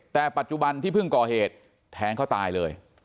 แต่ปัจจุบันที่เพิ่งก่อเหตุแทงเขาตายเลย